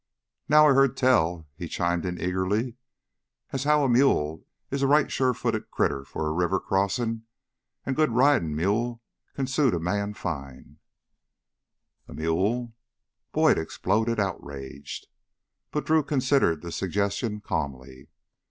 "Now I heard tell," he chimed in eagerly, "as how a mule is a right sure footed critter for a river crossin'. An' a good ridin' mule could suit a man fine " "A mule!" Boyd exploded, outraged. But Drew considered the suggestion calmly.